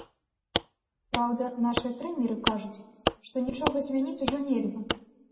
Праўда, нашыя трэнеры кажуць, што нічога змяніць ужо нельга.